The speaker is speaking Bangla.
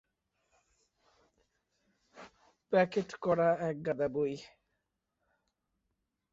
প্যাকেট করা এক গাদা বই।